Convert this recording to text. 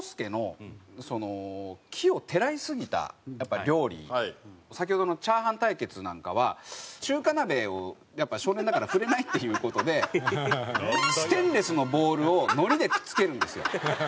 この香介の先ほどのチャーハン対決なんかは中華鍋をやっぱり少年だから振れないっていう事でステンレスのボウルをのりでくっつけるんですよ。